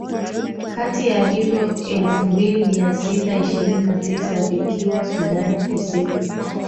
kati ya hivyo elfu mbili mia sita ishirini na tisa vikiwa sudan kusini